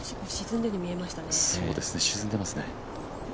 沈んでますね。